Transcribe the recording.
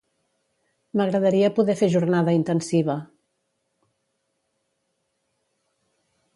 M'agradaria poder fer jornada intensiva